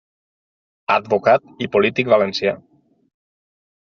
Advocat i polític valencià.